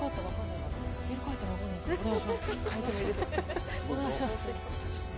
お願いします。